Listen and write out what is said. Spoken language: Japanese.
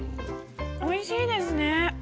おいしいですね！